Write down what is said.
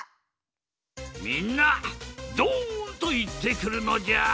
みんなドンといってくるのじゃ！